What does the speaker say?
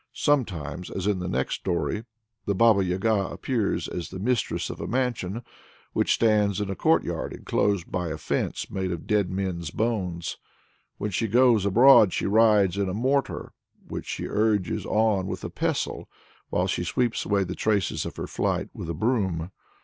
Sometimes, as in the next story, the Baba Yaga appears as the mistress of a mansion, which stands in a courtyard enclosed by a fence made of dead men's bones. When she goes abroad she rides in a mortar, which she urges on with a pestle, while she sweeps away the traces of her flight with a broom.